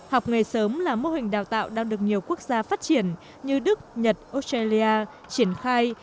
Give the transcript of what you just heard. học nghề sớm là mô hình đào tạo đang được nhiều quốc gia phát triển như đức nhật australia triển khai